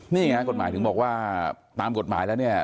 นี่ไงกฎหมายถึงบอกว่าตามกฎหมายแล้วเนี่ย